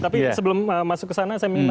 tapi sebelum masuk ke sana saya minta